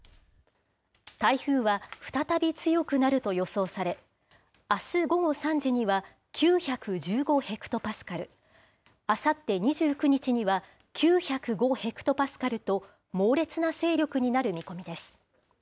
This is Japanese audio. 台風は再び強くなると予想され、あす午後３時には９１５ヘクトパスカル、あさって２９日には９０５ヘクトパスカルと、猛烈な勢力になる見込みです。